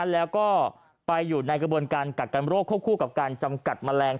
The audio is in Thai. แล้วก็ไปอยู่ในกระบวนการกักกันโรคควบคู่กับการจำกัดแมลง